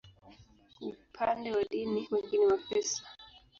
Upande wa dini, wengi ni Wakristo.